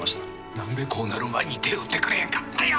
何でこうなる前に手打ってくれんかったんや。